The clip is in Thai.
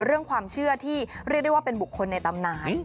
เรื่องความเชื่อที่เรียกได้ว่าเป็นบุคคลในตำนาน